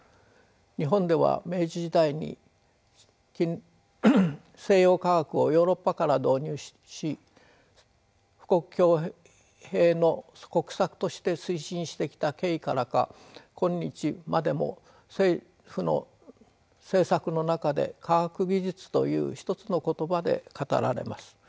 日本では明治時代に西洋科学をヨーロッパから導入し富国強兵の国策として推進してきた経緯からか今日までも政府の政策の中で「科学技術」という一つの言葉で語られます。